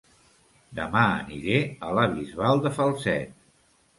Dema aniré a La Bisbal de Falset